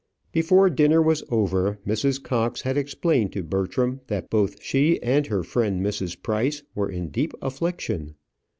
Before dinner was over, Mrs. Cox had explained to Bertram that both she and her friend Mrs. Price were in deep affliction.